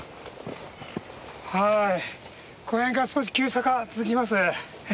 はいこの辺から少し急坂続きます。